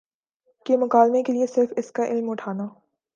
کہ مکالمے کے لیے صرف اس کا علم اٹھانا